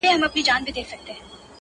دغه سُر خالقه دغه تال کي کړې بدل،